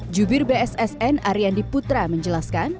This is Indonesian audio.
jubir bssn ariandi putra menjelaskan